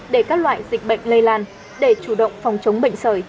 để các loại dịch bệnh lây lan để chủ động phòng chống bệnh sởi